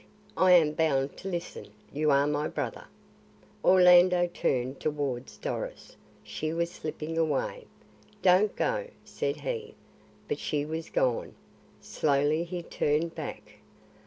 I am bound to listen; you are my brother." Orlando turned towards Doris. She was slipping away. "Don't go," said he. But she was gone. Slowly he turned back.